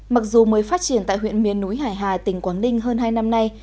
mặc dù mới phát triển tại huyện miền núi hải hà tỉnh quảng ninh hơn hai năm nay